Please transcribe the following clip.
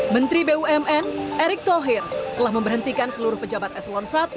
menteri bumn erick thohir telah memberhentikan seluruh pejabat eselon i